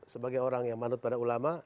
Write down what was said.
sebagai orang yang manut pada ulama